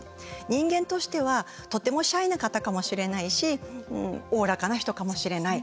人間としてはとてもシャイな方かもしれないしおおらかな人かもしれない。